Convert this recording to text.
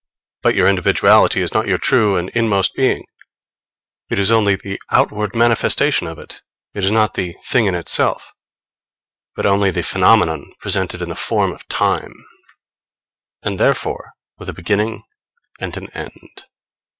But your individuality is not your true and inmost being: it is only the outward manifestation of it. It is not the thing in itself, but only the phenomenon presented in the form of time; and therefore with a beginning and an end.